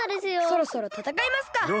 そろそろたたかいますか。